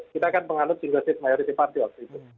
kita kan mengandung juga setiap mayoritas partai waktu itu